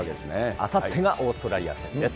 あさってがオーストラリア戦です。